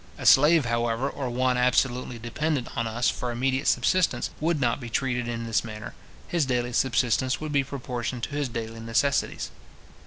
A slave, however, or one absolutely dependent on us for immediate subsistence, would not be treated in this manner. His daily subsistence would be proportioned to his daily necessities.